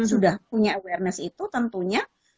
sudah punya awareness itu tentunya